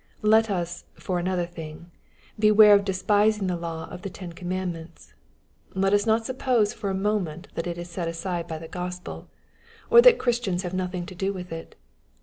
Let us, for another thing, beware of despising the law of ihe Ten Commandments. Let us not suppose for a moment that it is set aside by the Gospel, or that Christians have nothing to do with it.